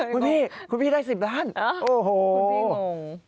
คุณพี่คุณพี่ได้๑๐ล้านโอ้โฮคุณพี่งง